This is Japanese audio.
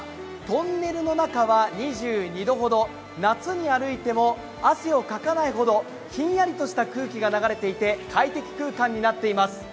トンネルの中は２２度ほど夏に歩いても汗をかかないほどひんやりとした空気が流れていて快適空間になっています。